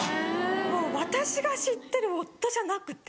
もう私が知ってる夫じゃなくて。